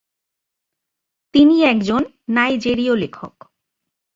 তিনি একজন নাইজেরীয় লেখক।